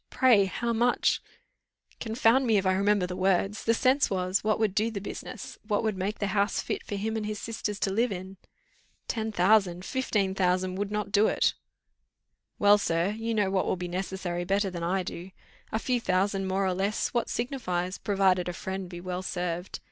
Pray, how much " "Confound me, if I remember the words. The sense was, what would do the business; what would make the house fit for him and his sisters to live in." "Ten thousand! fifteen thousand would not do." "Well, sir. You know what will be necessary better than I do. A few thousands more or less, what signifies, provided a friend be well served.